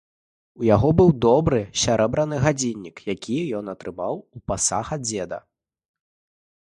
У яго быў добры сярэбраны гадзіннік, які ён атрымаў у пасаг ад дзеда.